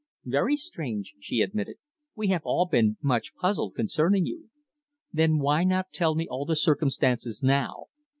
"Very strange," she admitted. "We have all been much puzzled concerning you." "Then why not tell me all the circumstances now?